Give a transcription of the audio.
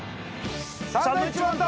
『サンドウィッチマンと』。